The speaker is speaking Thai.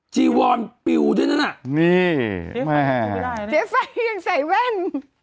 จิวอร์มปิวทั้งนั้นนี่แม่เจฟัยยังใส่แว่น